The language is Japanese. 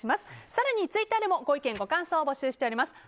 更にツイッターでもご意見、ご感想を募集しています。